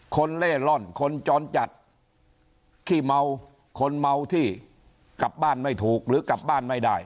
เล่ร่อนคนจรจัดขี้เมาคนเมาที่กลับบ้านไม่ถูกหรือกลับบ้านไม่ได้